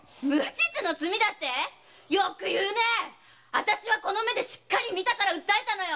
あたしはこの目でしっかり見たから訴えたのよ！